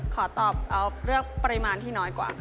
ขอตอบออฟเลือกปริมาณที่น้อยกว่า